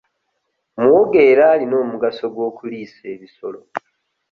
Muwogo era alina omugaso gw'okuliisa ebisolo.